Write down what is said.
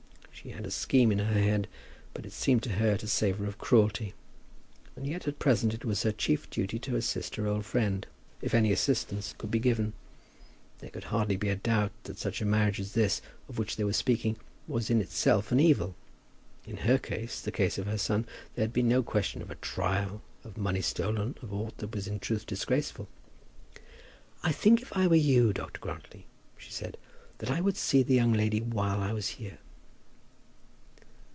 She had a scheme in her head, but it seemed to her to savour of cruelty. And yet at present it was her chief duty to assist her old friend, if any assistance could be given. There could hardly be a doubt that such a marriage as this, of which they were speaking, was in itself an evil. In her case, the case of her son, there had been no question of a trial, of money stolen, of aught that was in truth disgraceful. "I think if I were you, Dr. Grantly," she said, "that I would see the young lady while I was here."